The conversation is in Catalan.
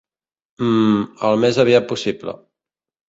Mm el més aviat possible.